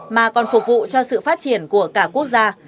mà còn phục vụ cho sự phát triển của cả quốc gia